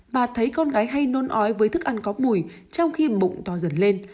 bà thấy con gái hay nôn ói với thức ăn có mùi trong khi bụng to dần lên